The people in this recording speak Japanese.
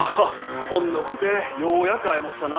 ほんのこてようやく会えもしたな。